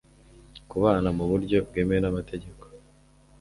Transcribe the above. kubana mu buryo bwemewe n'amategeko